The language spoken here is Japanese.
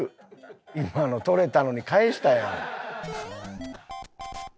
今の取れたのに返したやん。